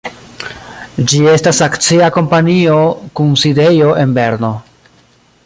Ĝi estas akcia kompanio kun sidejo en Berno.